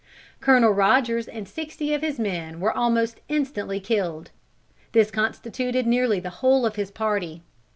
Colonel Rogers and sixty of his men were almost instantly killed. This constituted nearly the whole of his party.